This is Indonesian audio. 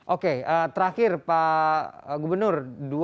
oke terakhir pak gubernur